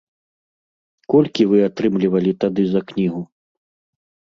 Колькі вы атрымлівалі тады за кнігу?